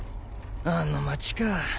あの町か。